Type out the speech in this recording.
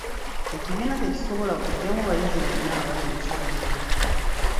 Ekibiina tekisobola kugyamu bayizi bonna abali mu ssomero.